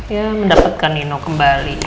ya mendapatkan nino kembali